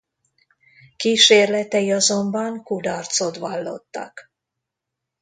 Kísérletei azonban kudarcot vallottak.